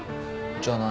じゃあ何？